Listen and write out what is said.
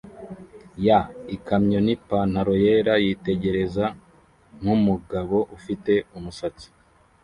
yaikamyonipantaro yera yitegereza nkumugabo ufite umusatsi